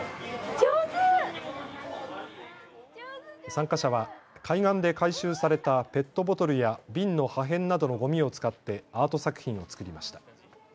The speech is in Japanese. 参加者は海岸で回収されたペットボトルや瓶の破片などのごみを使ってアート作品を作りました。